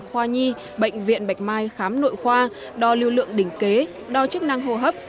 khoa nhi bệnh viện bạch mai khám nội khoa đo lưu lượng đỉnh kế đo chức năng hô hấp